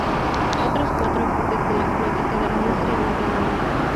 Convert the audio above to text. Otros cuatro buques de la flota quedaron muy seriamente dañados.